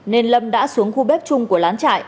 nên lâm đã xuống khu bếp chung của lán trại